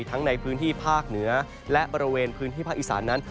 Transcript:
ทั้งในพื้นที่ภาคเหนือและบริเวณพื้นที่ภาคอีสานนั้น